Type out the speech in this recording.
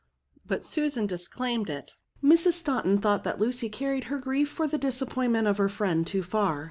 But Susan disclaimed it. Mrs. Staunton thought that Lucy car ried her grief for the disappointment of her friend too far.